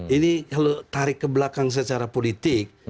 ini kalau tarik ke belakang secara politik